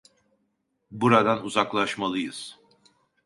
Buradan uzaklaşmalıyız.